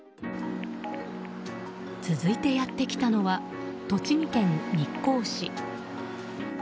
続いてやってきたのは栃木県日光市。